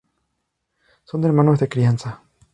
Son hermanos de crianza.